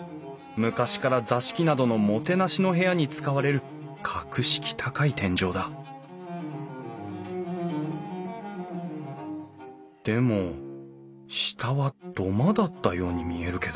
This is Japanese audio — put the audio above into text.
昔から座敷などのもてなしの部屋に使われる格式高い天井だでも下は土間だったように見えるけど。